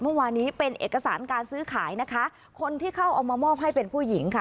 เมื่อวานนี้เป็นเอกสารการซื้อขายนะคะคนที่เขาเอามามอบให้เป็นผู้หญิงค่ะ